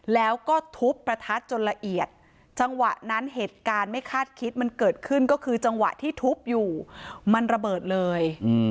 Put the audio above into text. แล้วก็ทุบประทัดจนละเอียดจังหวะนั้นเหตุการณ์ไม่คาดคิดมันเกิดขึ้นก็คือจังหวะที่ทุบอยู่มันระเบิดเลย